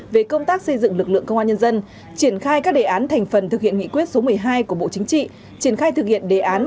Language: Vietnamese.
về công tác xây dựng lực lượng công an nhân dân triển khai các đề án thành phần thực hiện nghị quyết số một mươi hai của bộ chính trị triển khai thực hiện đề án